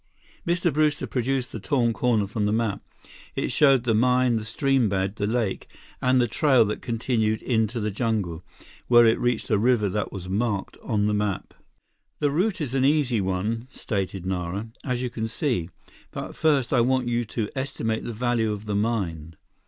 Mr. Brewster produced the torn corner from the map. It showed the mine, the stream bed, the lake, and the trail that continued into the jungle, where it reached a river that was marked on the map. "The route is an easy one," stated Nara, "as you can see. But first, I want you to estimate the value of the mine.